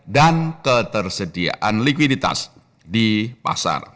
dan ketersediaan likuiditas di pasar